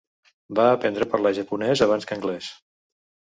Va aprendre a parlar japonès abans que anglès.